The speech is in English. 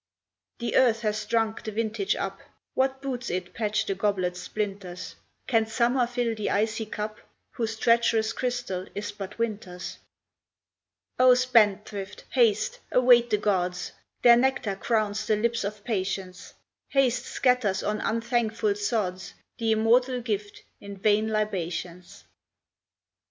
The Earth has drunk the vintage up; What boots it patch the goblet's splinters? Can Summer fill the icy cup, Whose treacherous crystal is but Winter's? O spendthrift, haste! await the Gods; Their nectar crowns the lips of Patience; Haste scatters on unthankful sods The immortal gift in vain libations.